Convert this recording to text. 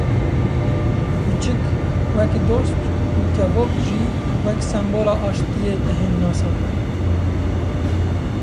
Kûçik wek dost, û kevok jî wek symbola aştiyê dihên nasandin